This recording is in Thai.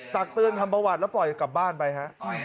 ตักเตือนทำประวัติแล้วปล่อยกลับบ้านไปฮะ